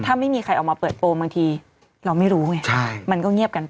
ถ้าไม่มีใครออกมาเปิดโปรบางทีเราไม่รู้ไงมันก็เงียบกันไป